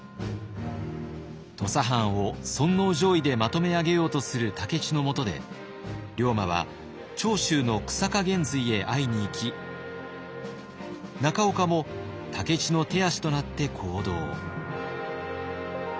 土佐藩を尊皇攘夷でまとめ上げようとする武市のもとで龍馬は長州の久坂玄瑞へ会いにいき中岡も武市の手足となって行動。